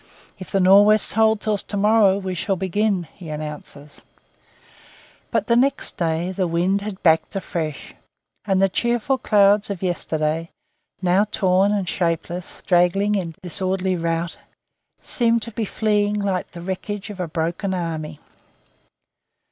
"If the nor'west holds till to morrow we shall begin," he announces. But next day the wind had backed afresh, and the cheerful clouds of yesterday, now torn and shapeless, straggling in disorderly rout, seemed to be fleeing like the wreckage of a broken army.